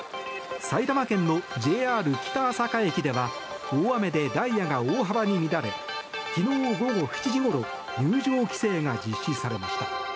埼玉県のＪＲ北朝霞駅では大雨でダイヤが大幅に乱れ昨日午後７時ごろ入場規制が実施されました。